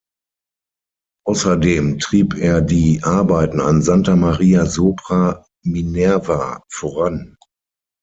Außerdem trieb er die Arbeiten an Santa Maria sopra Minerva voran.